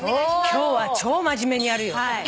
今日は超真面目にやるよ。